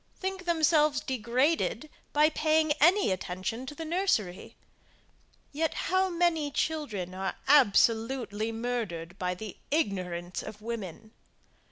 think themselves degraded by paying any attention to the nursery; yet, how many children are absolutely murdered by the ignorance of women!